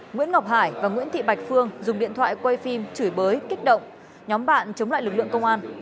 nguyễn ngọc hải và nguyễn thị bạch phương dùng điện thoại quay phim chửi bới kích động nhóm bạn chống lại lực lượng công an